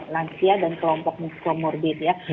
lansia dan kelompok comorbid ya